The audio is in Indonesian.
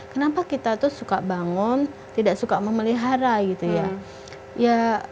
kenapa kita tuh suka bangun tidak suka memelihara gitu ya